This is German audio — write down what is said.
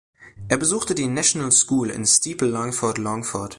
Er besuchte die "National School" in Steeple Langford Langford.